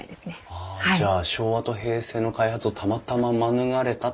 はあじゃあ昭和と平成の開発をたまたま免れたってことですね。